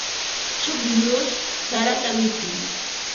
Chukllush sarata mikun.